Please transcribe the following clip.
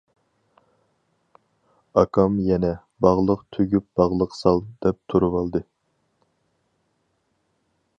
ئاكام يەنە‹‹ باغلىق تۈگۈپ باغلىق سال›› دەپ تۇرۇۋالدى.